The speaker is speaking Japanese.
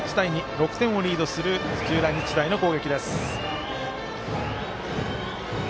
６点リードする土浦日大の攻撃。